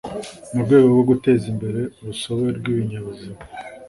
mu rwego rwo guteza imbere urusobe rw’ibinyabuzima